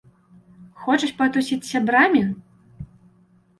Хочаш патусіць з сябрамі?